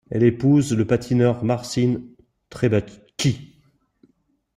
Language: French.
Elle épouse le patineur Marcin Trębacki.